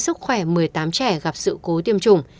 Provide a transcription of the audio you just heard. sức khỏe một mươi tám trẻ gặp sự cố tiêm chủng